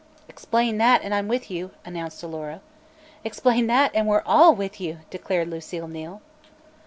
"Explain that, and I'm with you," announced Alora. "Explain that, and we're all with you!" declared Lucile Neal.